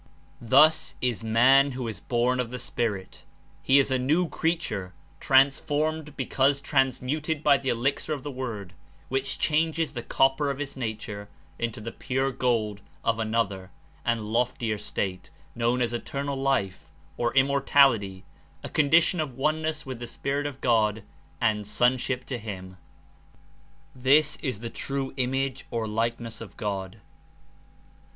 Thus is man who is born of the Spirit; he is a "new creature," transformed because transmuted by the elixir of the Word, which changes the copper of his nature into the pure gold of another and loftier state known as "Eternal Life" or "Immortality," a condition of oneness with the Spirit of God and son ship to Him. This is the true image or likeness of God.